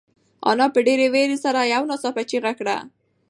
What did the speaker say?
انا په ډېرې وېرې سره یو ناڅاپه چیغه کړه.